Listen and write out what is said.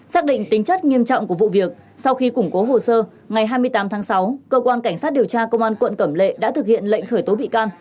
xác định tính chất nghiêm trọng của vụ việc sau khi củng cố hồ sơ ngày hai mươi tám tháng sáu cơ quan cảnh sát điều tra công an quận cẩm lệ đã thực hiện lệnh khởi tố bị can